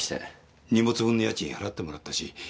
荷物分の家賃払ってもらったし。